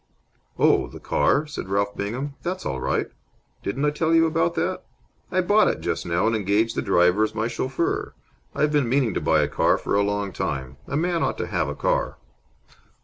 "Oh, the car?" said Ralph Bingham. "That's all right. Didn't I tell you about that? I bought it just now and engaged the driver as my chauffeur, I've been meaning to buy a car for a long time. A man ought to have a car."